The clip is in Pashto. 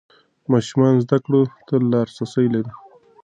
ماشومان زده کړو ته لاسرسی لري.